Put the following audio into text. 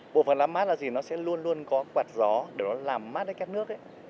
bộ phần lá mát là gì nó sẽ luôn luôn có quạt gió để nó làm mát cái cát nước